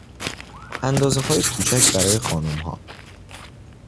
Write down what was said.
اندازههای کوچک برای خانمها